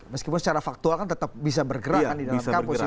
meskipun secara faktual kan tetap bisa bergerak kan di dalam kampus ya